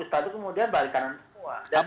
setelah itu kemudian balikkan semua